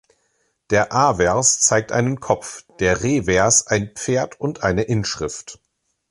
Der Avers zeigt einen Kopf, der Revers ein Pferd und eine Inschrift.